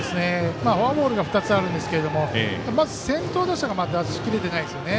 フォアボールが２つあるんですけれどもまず先頭打者が出し切れていないですよね。